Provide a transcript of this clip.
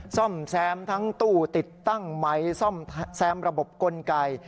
ซ่อมแซมทั้งตู้ติดตั้งไหมซ่อมแซมระบบกลไก